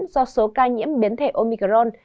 do số ca nhiễm biến thể omicron